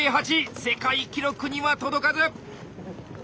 世界記録には届かず！